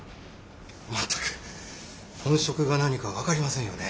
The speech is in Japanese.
全く本職が何か分かりませんよね。